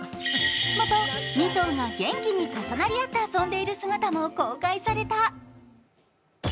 また、２頭が元気に重なり合って遊んでいる姿も公開された。